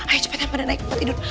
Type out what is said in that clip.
ayo cepetan pada naik kakek tidur